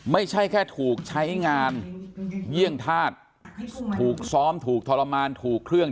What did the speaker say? ไม่ใช่แค่ถูกใช้งานเยี่ยงธาตุถูกซ้อมถูกทรมานถูกเครื่อง